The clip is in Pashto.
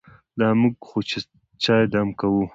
دا موږ خو چې چای دم کوو.